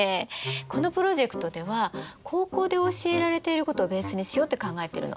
このプロジェクトでは高校で教えられていることをベースにしようって考えてるの。